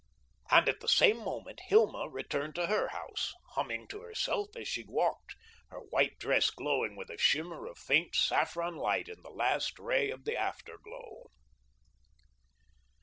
And at the same moment, Hilma returned to her house, humming to herself as she walked, her white dress glowing with a shimmer of faint saffron light in the last ray of the after glow.